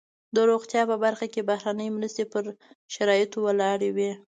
د روغتیا په برخه کې بهرنۍ مرستې پر شرایطو ولاړې وي.